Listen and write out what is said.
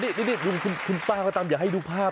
นี่คุณป้าเขาตำอย่าให้ดูภาพ